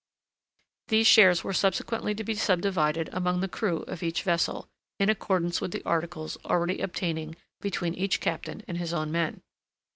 These shares were subsequently to be subdivided among the crew of each vessel, in accordance with the articles already obtaining between each captain and his own men.